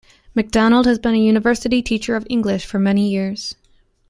McDonald has been a university teacher of English for many years.